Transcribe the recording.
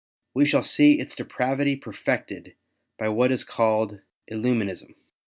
We shall see its depravity perfected by what is called lUuminism.